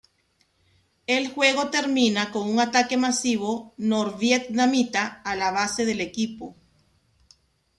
El juego termina con un ataque masivo norvietnamita a la base del equipo.